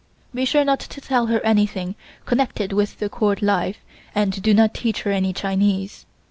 Be sure not to tell her anything connected with the Court life and do not teach her any Chinese.